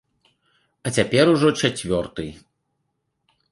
А цяпер ужо чацвёрты.